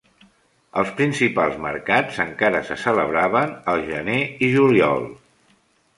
Els principals mercats encara se celebraven al gener i juliol.